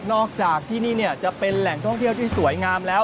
อกจากที่นี่จะเป็นแหล่งท่องเที่ยวที่สวยงามแล้ว